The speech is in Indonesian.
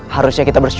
harusnya kita berhenti